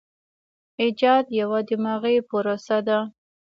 ایجاد یوه دماغي پروسه ده.